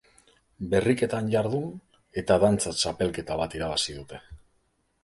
Berriketan jardun eta dantza txapelketa bat irabazi dute.